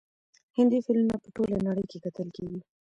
هندي فلمونه په ټوله نړۍ کې کتل کیږي.